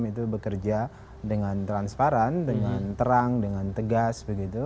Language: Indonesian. itu bekerja dengan transparan dengan terang dengan tegas begitu